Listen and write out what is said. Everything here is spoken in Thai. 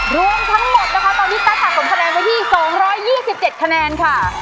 รวมทั้งหมดนะคะตอนนี้ตั๊กสะสมคะแนนไว้ที่๒๒๗คะแนนค่ะ